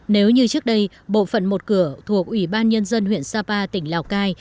nếu như trước đây bộ phận một cửa thuộc ủy ban nhân dân huyện sapa tỉnh lào cai